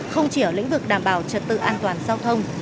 không chỉ ở lĩnh vực đảm bảo trật tự an toàn giao thông